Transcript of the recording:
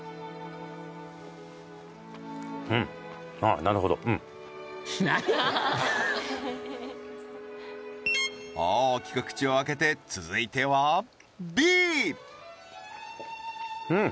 うんああなんや大きく口を開けて続いてはＢうん！